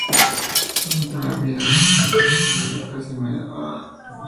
Durante su vida monástica residió en Lucca, Siena, Imola, Gubbio, Venecia y Verona.